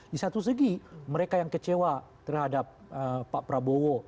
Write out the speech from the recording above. di satu segi mereka yang kecewa terhadap pak prabowo